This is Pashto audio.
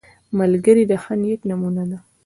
ملګری د ښه نیت نمونه ده